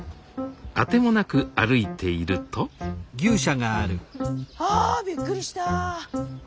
あてもなく歩いているとあびっくりした！